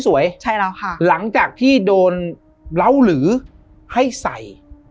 เครื่องประดับธรรมดาพี่สวยใช่แล้วค่ะหลังจากที่โดนเล่าหรือให้ใส่